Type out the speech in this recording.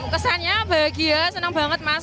kesannya bahagia senang banget mas